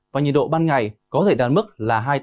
và nhiệt độ ban ngày có thể đạt mức là